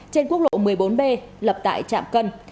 trên quốc lộ một mươi bốn b lập tại trạm cân